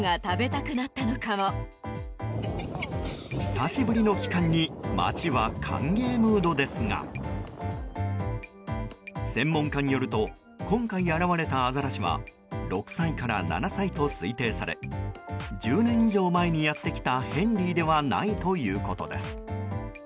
久しぶりの帰還に街は歓迎ムードですが専門家によると今回現れたアザラシは６歳から７歳と推定され１０年以上前にやってきたヘンリーではないということです。